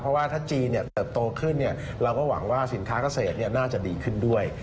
เพราะว่าถ้าจีนเติบโตขึ้นเราก็หวังว่าสินค้าเกษตรน่าจะดีขึ้นด้วย